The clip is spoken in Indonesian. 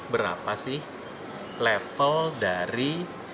berapa sih level dari